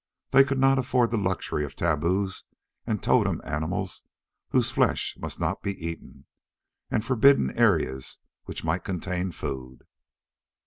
They could not afford the luxury of tabus and totem animals whose flesh must not be eaten, and forbidden areas which might contain food.